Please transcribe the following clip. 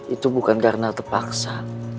itu bukan karena terpaksa